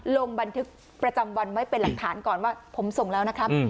ลงบันทึกประจำวันไว้เป็นหลักฐานก่อนว่าผมส่งแล้วนะครับ